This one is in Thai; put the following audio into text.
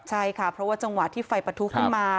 เพราะว่าจังหวะที่ไฟประทุขึ้นมา